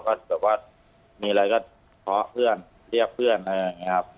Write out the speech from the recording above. ก็แบบว่ามีอะไรก็เคาะเพื่อนเรียกเพื่อนอะไรอย่างนี้ครับ